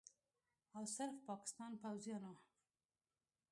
او صرف پاکستان پوځیانو